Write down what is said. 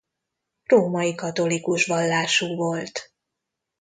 Római katolikus vallású volt.